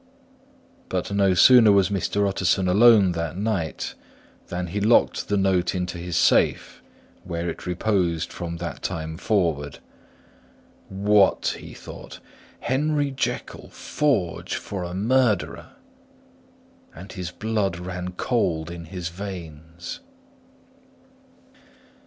But no sooner was Mr. Utterson alone that night, than he locked the note into his safe, where it reposed from that time forward. "What!" he thought. "Henry Jekyll forge for a murderer!" And his blood ran cold in his veins.